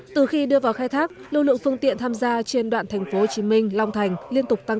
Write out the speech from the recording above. từ khi đưa vào khai thác lưu lượng phương tiện tham gia trên đoạn tp hcm long thành liên tục tăng